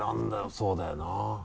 そうだよな。